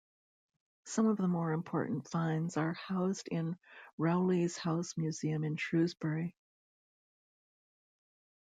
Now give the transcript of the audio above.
Some of the more important finds are housed in Rowley's House Museum in Shrewsbury.